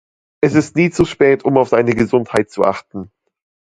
Es ist nie zu spät, um auf seine Gesundheit zu achten.